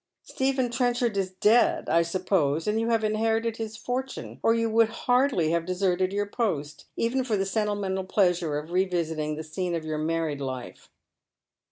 Stephen Trenchard is dead, I suppose, and you have inherited his fortune, or you would hardly have deserted your post, even for the sentimental pleasure of revisiting the Bcene of your married life."